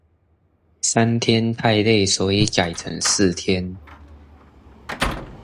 三天太累所以改成四天